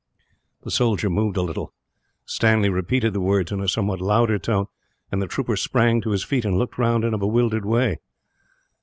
The soldier moved a little. Stanley repeated the words in a somewhat louder tone, and the trooper sprang to his feet, and looked round in a bewildered way.